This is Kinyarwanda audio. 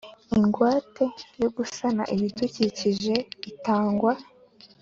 Ingwate yo gusana ibidukikije itangwa